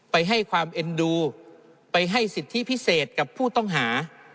ไปให้ความเอ็นดูไปให้สิทธิพิเศษกับผู้ต้องหา